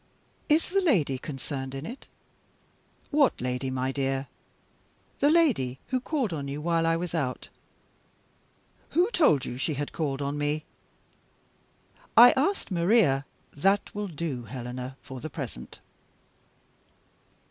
"Is the lady concerned in it?" "What lady, my dear?" "The lady who called on you while I was out." "Who told you she had called on me?" "I asked Maria " "That will do, Helena, for the present."